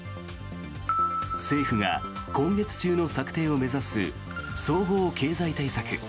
政府が今月中の策定を目指す総合経済対策。